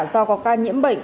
do có ca nhiễm bệnh